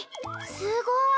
すごーい！